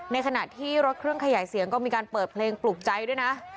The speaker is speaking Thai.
ในขณะที่รถเครื่องขยายเสียงก็มีการเปิดเพลงปลูกใจด้วยนะ